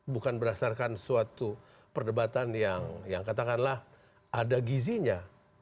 bukan berdasarkan suatu perdebatan yang katakanlah ada gizinya